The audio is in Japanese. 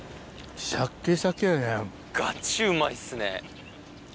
ガチうまいっすね。